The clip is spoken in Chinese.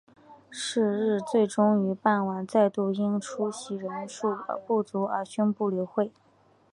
是日最终于傍晚再度因出席人数不足而宣布流会。